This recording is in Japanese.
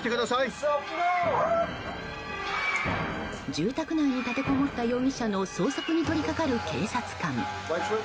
住宅内に立てこもった容疑者の捜索に取り掛かる警察官。